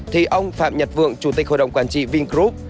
thì ông phạm nhật vượng chủ tịch hội đồng quản trị vingroup